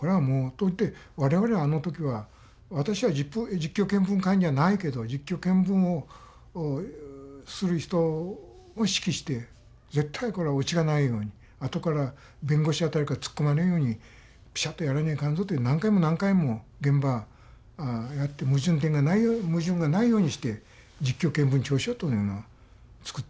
我々あの時は私は実況見分官じゃないけど実況見分をする人を指揮して絶対これは落ちがないようにあとから弁護士辺りから突っ込まれんようにぴしゃっとやらにゃいかんぞと何回も何回も現場やって矛盾がないようにして実況見分調書というのは作ってますよ。